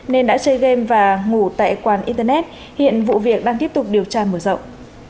nên đã chơi game và ngủ tại quán internet hiện vụ việc đang tiếp tục điều tra mở rộng